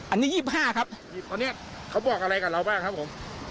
อันนี้ยี่สิบห้าครับตอนเนี้ยเขาบอกอะไรกับเราบ้างครับผม